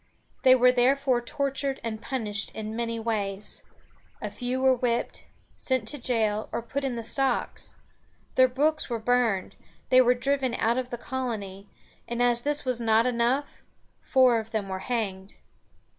They were therefore tortured and punished in many ways. A few were whipped, sent to jail, or put in the stocks. Their books were burned; they were driven out of the colony; and as all this was not enough, four of them were hanged.